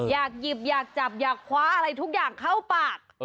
อยากหยิบอยากจับอยากคว้าอะไรทุกอย่างเข้าปาก